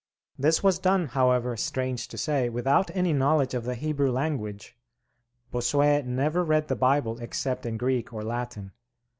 This was done, however, strange to say, without any knowledge of the Hebrew language. Bossuet never read the Bible except in Greek or Latin.